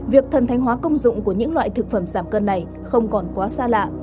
việc thần thanh hóa công dụng của những loại thực phẩm giảm cân này không còn quá xa lạ